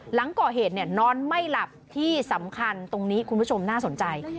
หลังก่อเหตุเนี่ยนอนไม่หลับที่สำคัญตรงนี้คุณผู้ชมน่าสนใจ